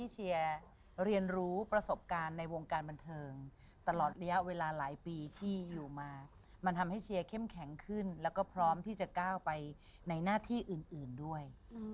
เชียร์เข้มแข็งขึ้นแล้วก็พร้อมที่จะก้าวไปในหน้าที่อื่นด้วย